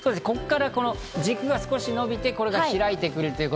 ここから軸が少し伸びて開いてくる。